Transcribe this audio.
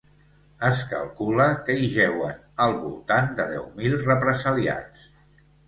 Es calcula que hi jeuen al voltant de deu mil represaliats.